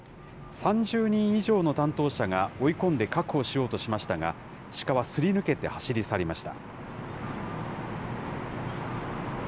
３０人以上の担当者が追い込んで確保しようとしましたが、シカはすり抜けて走り去りました。